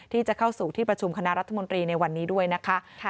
ที่จะเข้าสู่ที่ประชุมคณะรัฐมนตรีในวันนี้ด้วยนะคะ